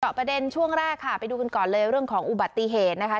ประเด็นช่วงแรกค่ะไปดูกันก่อนเลยเรื่องของอุบัติเหตุนะคะ